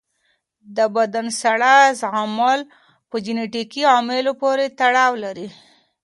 د بدن ساړه زغمل په جنیټیکي عواملو پورې تړاو لري.